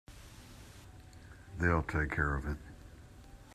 They'll take care of it.